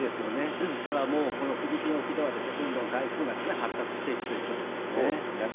ですから、もうこのフィリピン沖では、どんどん台風が発達していくということですよね。